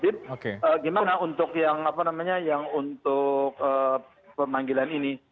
gimana untuk yang apa namanya yang untuk pemanggilan ini